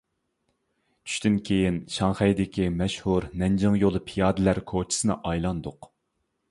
چۈشتىن كېيىن شاڭخەيدىكى مەشھۇر نەنجىڭ يولى پىيادىلەر كوچىسىنى ئايلاندۇق.